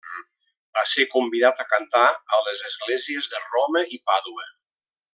Va ser convidat a cantar a les esglésies de Roma i Pàdua.